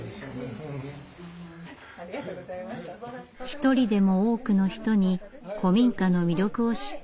一人でも多くの人に古民家の魅力を知ってほしい。